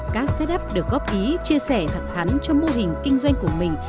các setup được góp ý chia sẻ thẳng thắn cho mô hình kinh doanh của mình